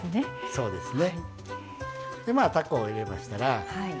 そうですね。